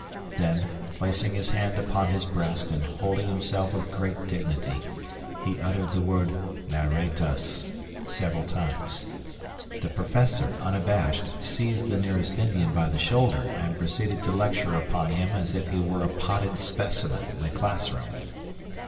Then, placing his hand upon his breast and holding himself with great dignity, he uttered the word "Maretas" several times. The Professor, unabashed, seized the nearest Indian by the shoulder and proceeded to lecture upon him as if he were a potted specimen in a class room.